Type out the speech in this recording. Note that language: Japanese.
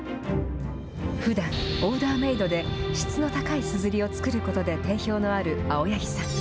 ふだんオーダーメードで質の高いすずりを作ることで定評のある青柳さん。